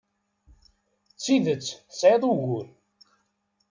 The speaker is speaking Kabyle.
D tidet tesɛid ugur.